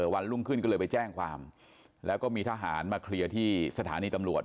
วันรุ่งขึ้นก็เลยไปแจ้งความแล้วก็มีทหารมาเคลียร์ที่สถานีตำรวจ